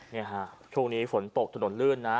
เนี่ยฮะช่วงนี้ฝนตกถนนลื่นนะ